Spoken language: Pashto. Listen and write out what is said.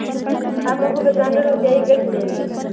خامه هوږه ځانګړې روغتیایي ګټې لري.